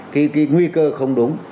cái nguy cơ không đúng